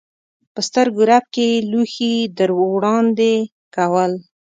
په سترګو رپ کې یې لوښي در وړاندې کول.